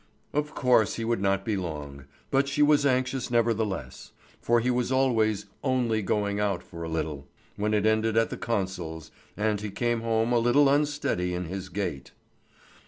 Of course he would not be long. But she was anxious nevertheless; for he was always "only going out for a little" when it ended at the consul's, and he came home a little unsteady in his gait.